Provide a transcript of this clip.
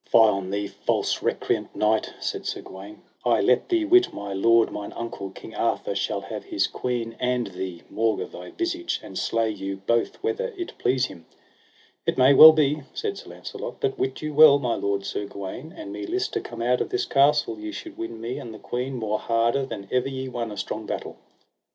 Fie on thee, false recreant knight, said Sir Gawaine; I let thee wit my lord, mine uncle, King Arthur, shall have his queen and thee, maugre thy visage, and slay you both whether it please him. It may well be, said Sir Launcelot, but wit you well, my lord Sir Gawaine, an me list to come out of this castle ye should win me and the queen more harder than ever ye won a strong battle.